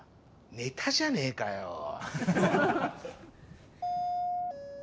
ネタじゃねえかよ。